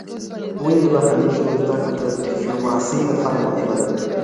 ولي د بهرنیو ژبو زده کړه د ډیپلوماسۍ لپاره مهمه ده؟